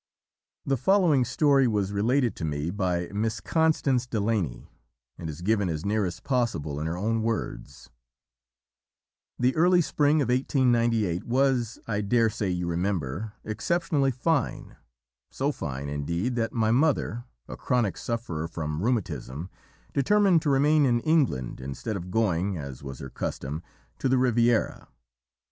The following story was related to me by Miss Constance Delaunay, and is given as near as possible in her own words: "The early spring of 1898 was, I daresay you remember, exceptionally fine so fine, indeed, that my mother, a chronic sufferer from rheumatism, determined to remain in England instead of going, as was her custom, to the Riviera.